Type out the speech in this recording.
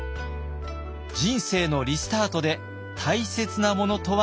人生のリスタートで大切なものとは何か。